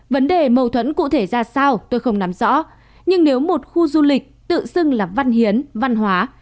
vấn đề mâu thuẫn cụ thể ra sao tôi không nắm rõ nhưng nếu một khu du lịch tự xưng là văn hiến văn hóa